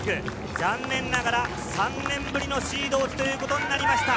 残念ながら３年ぶりのシード落ちとなりました。